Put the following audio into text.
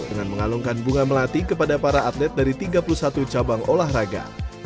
dengan mengalungkan bunga melati kepada para atlet dari tiga puluh satu cabang olahraga